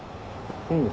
うん。